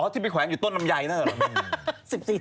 อ๋อที่ไปแขวงอยู่ต้นลำไยน่ะหรือ